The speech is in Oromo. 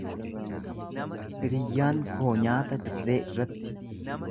Hiriyyaan koo nyaata dirree irratti.